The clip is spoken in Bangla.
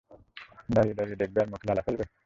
দাঁড়িয়ে দাঁড়িয়ে দেখবে আর মুখে লালা ফেলবে?